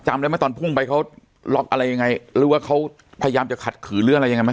จำได้ไหมตอนพุ่งไปเขาล็อกอะไรยังไงหรือว่าเขาพยายามจะขัดขืนหรืออะไรยังไงไหม